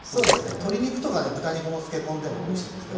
鶏肉とかね豚肉も漬け込んでもおいしいんですよ。